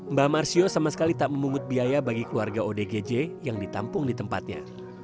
mbah marsio sama sekali tak memungut biaya bagi keluarga odgj yang ditampung di tempatnya